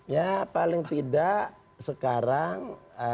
ya paling tidak sekarang